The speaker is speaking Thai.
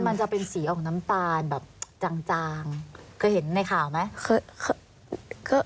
มันจะเป็นสีออกน้ำตาลแบบจางเคยเห็นในข่าวไหม